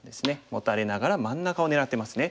モタれながら真ん中を狙ってますね。